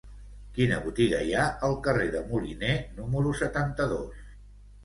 Quina botiga hi ha al carrer de Moliné número setanta-dos?